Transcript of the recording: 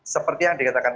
seperti yang dikatakan